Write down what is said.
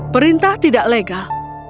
perintah tidak legal